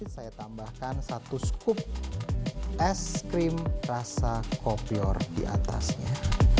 saya tambahkan satu skup es krim rasa kopior di atasnya